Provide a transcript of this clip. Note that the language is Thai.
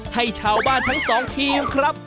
ให้ชาวบ้านทั้งสองทีมครับ